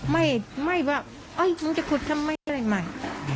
ไม่แบบเอ้ยมึงจะขุดทำไม่อะไรใหม่